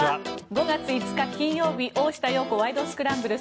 ５月５日、金曜日「大下容子ワイド！スクランブル」。